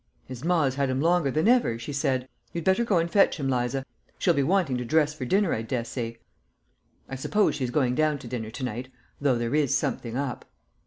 "His mar's had him longer than ever," she said; "you'd better go and fetch him, Liza. She'll be wanting to dress for dinner, I dessay. I suppose she's going down to dinner to night, though there is something up."